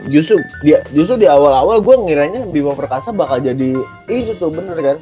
justru di awal awal gue ngiranya bima perkasa bakal jadi itu tuh bener kan